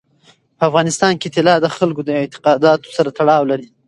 په افغانستان کې طلا د خلکو د اعتقاداتو سره تړاو لري.